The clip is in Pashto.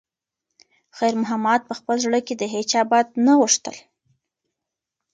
خیر محمد په خپل زړه کې د هیچا بد نه غوښتل.